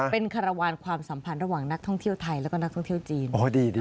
เป็นคารวาลความสัมพันธ์ระหว่างนักท่องเที่ยวไทยแล้วก็นักท่องเที่ยวจีน